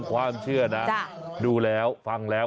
ความเชื่อนะดูแล้วฟังแล้ว